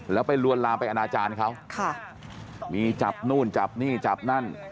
แล้วไปลวนลามไปอนาจารย์เขามีจับนู่นจับนี่จับนั่น